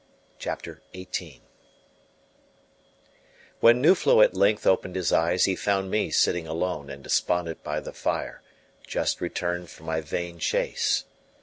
CHAPTER XVIII When Nuflo at length opened his eyes he found me sitting alone and despondent by the fire, just returned from my vain chase.